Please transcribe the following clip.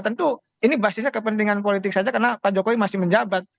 tentu ini basisnya kepentingan politik saja karena pak jokowi masih menjabat